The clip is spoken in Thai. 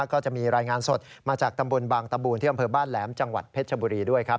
ก็จะมีรายงานสดมาจากตำบลบางตะบูนที่อำเภอบ้านแหลมจังหวัดเพชรชบุรีด้วยครับ